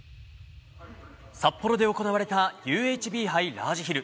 札幌で行われたＵＨＢ杯ラージヒル。